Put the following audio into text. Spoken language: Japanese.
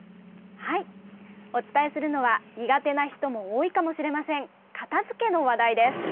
お伝えするのは苦手の人も多いかもしれません片づけの話題です。